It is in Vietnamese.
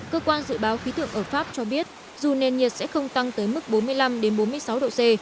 cơ quan dự báo khí tượng ở pháp cho biết dù nền nhiệt sẽ không tăng tới mức bốn mươi năm bốn mươi sáu độ c